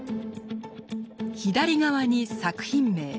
左側に作品名。